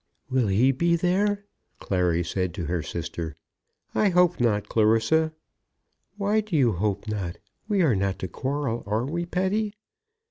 "Will he be there?" Clary said to her sister. "I hope not, Clarissa." "Why do you hope not? We are not to quarrel; are we, Patty?"